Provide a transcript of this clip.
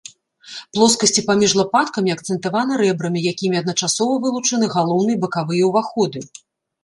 Плоскасці паміж лапаткамі акцэнтаваны рэбрамі, якімі адначасова вылучаны галоўны і бакавыя ўваходы.